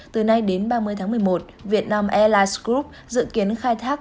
từ nay đến ba mươi tháng một mươi một việt nam airlines group dự kiến khai thác